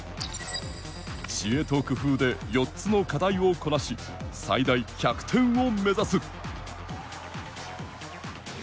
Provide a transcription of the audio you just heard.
知恵と工夫で４つの課題をこなし最大１００点を目指す。